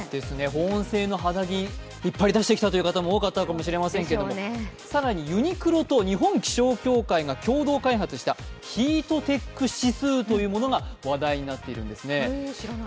保温性の肌着、引っ張り出してきたという方も多かったかもしれませんけれども、更にユニクロと日本気象協会が共同開発したヒートテック指数というものが話題になっているんですね。